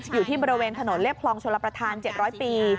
อยู่ที่บริเวณถนนเรียบคลองชลประธาน๗๐๐ปี